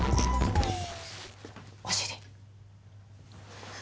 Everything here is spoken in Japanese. お尻。